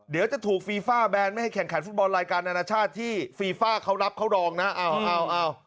เดี๋ยวจะถูกฟีฟ่าแบนไม่ให้แข่งขันฟุตบอลรายการนานาชาติที่ฟีฟ่าเขารับเขารองนะเอาเอา